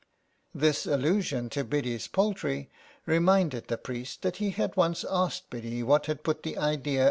This allusion to Biddy's poultry reminded the priest that he had once asked Biddy what had put the idea 88 SOME PARISHIONERS.